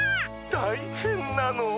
たいへんなの。